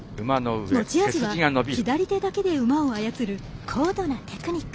持ち味は左手だけで馬を操る高度なテクニック。